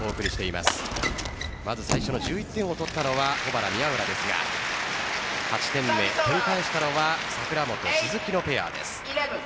まず、最初の１１点を取ったのは保原・宮浦ですが８点目取り返したのは櫻本・鈴木のペアです。